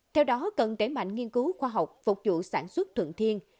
theo đó cần tẩy mạnh nghiên cứu khoa học phục vụ sản xuất thuận thiên